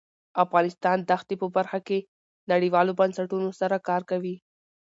افغانستان د ښتې په برخه کې نړیوالو بنسټونو سره کار کوي.